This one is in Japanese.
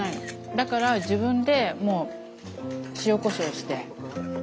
だから自分でもう塩こしょうして。